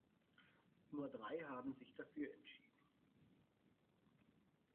Nur drei haben sich dafür entschieden.